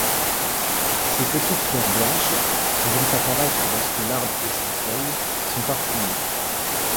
Ses petites fleurs blanches, pouvant apparaître lorsque l’arbre est sans feuille, sont parfumées.